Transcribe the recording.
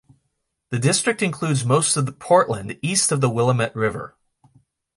The district includes most of Portland east of the Willamette River.